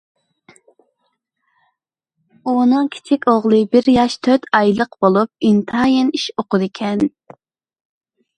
ئۇنىڭ كىچىك ئوغلى بىر ياش تۆت ئايلىق بولۇپ، ئىنتايىن ئىش ئۇقىدىكەن.